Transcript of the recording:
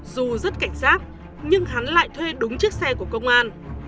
dù rất cảnh giác nhưng hắn lại thuê đúng chiếc xe của công an